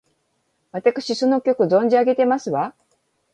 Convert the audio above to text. わたくしその曲、存じ上げてますわ！